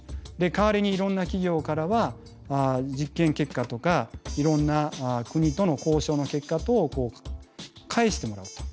代わりにいろんな企業からは実験結果とかいろんな国との交渉の結果等を返してもらうと。